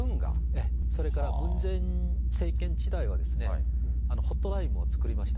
それから、ムン・ジェイン政権時代には、ホットラインも作りました。